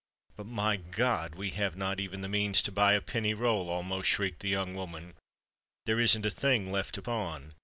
"But, my God! we have not even the means to buy a penny roll!" almost shrieked the young woman. "There isn't a thing left to pawn.